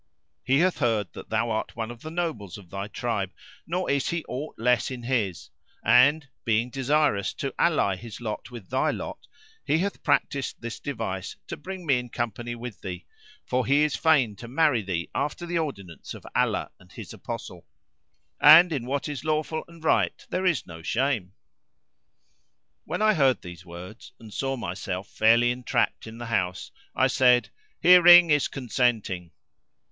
He hath heard that thou art one of the nobles of thy tribe nor is he aught less in his; and, being desirous to ally his lot with thy lot, he hath practised this device to bring me in company with thee; for he is fain to marry thee after the ordinance of Allah and his Apostle; and in what is lawful and right there is no shame." When I heard these words and saw myself fairly entrapped in the house, I said, "Hearing is consenting."